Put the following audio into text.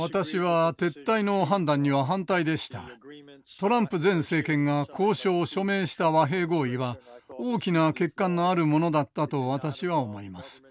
トランプ前政権が交渉・署名した和平合意は大きな欠陥のあるものだったと私は思います。